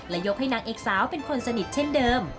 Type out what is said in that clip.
ยกให้นางเอกสาวเป็นคนสนิทเช่นเดิม